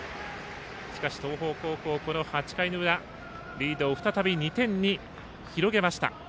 しかし東邦高校、この８回の裏リードを再び２点に広げました。